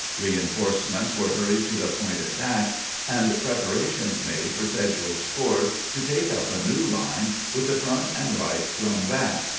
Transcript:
Reinforcements were hurried to the point attacked, and preparations made for Sedgwick's corps to take up a new line, with the front and right thrown back.